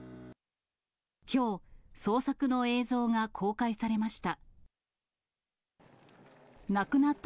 きょう、捜索の映像が公開されました。